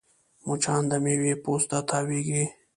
مچان د میوې پوست ته تاوېږي